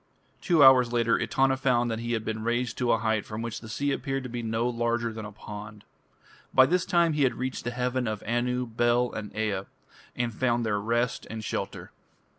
Two hours later Etana found that he had been raised to a height from which the sea appeared to be no larger than a pond. By this time he had reached the heaven of Anu, Bel, and Ea, and found there rest and shelter.